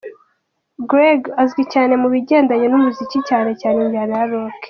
Gregg azwi cyane mu bijyendanye n’ umuziki cyane cyane injyana ya Rock.